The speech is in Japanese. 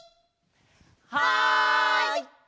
はい！